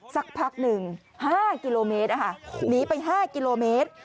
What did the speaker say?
สักพักหนึ่ง๕กิโลเมตรหนีไป๕กิโลเมตร